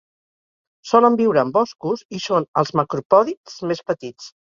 Solen viure en boscos i són els macropòdids més petits.